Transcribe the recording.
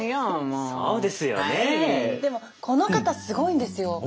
でもこの方すごいんですよ。